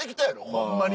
ホンマに。